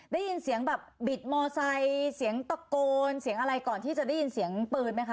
ได้ยินเสียงแบบบิดมอไซค์เสียงตะโกนเสียงอะไรก่อนที่จะได้ยินเสียงปืนไหมคะ